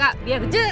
biar dia kejar